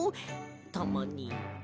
たまに。